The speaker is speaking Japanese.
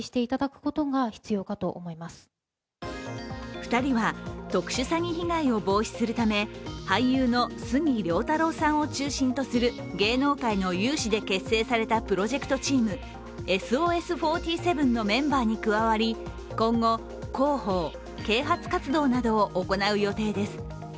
２人は、特殊詐欺被害を防止するため俳優の杉良太郎さんを中心とする芸能界の有志で結成されたプロジェクトチームＳＯＳ４７のメンバーに加わり今後、広報・啓発活動などを行う予定です。